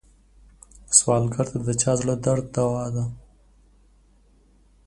سوالګر ته د چا زړه درد دوا ده